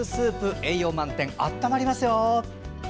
栄養満点、温まりますよ。